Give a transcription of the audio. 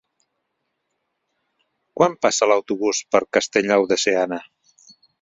Quan passa l'autobús per Castellnou de Seana?